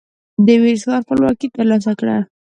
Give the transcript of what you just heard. د وينز ښار خپلواکي ترلاسه کړه.